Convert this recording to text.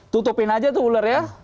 tutupin aja tuh ular ya